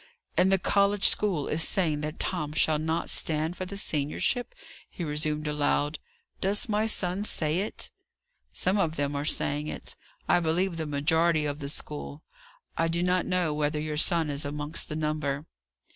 "And the college school is saying that Tom shall not stand for the seniorship!" he resumed aloud. "Does my son say it?" "Some of them are saying it; I believe the majority of the school. I do not know whether your son is amongst the number."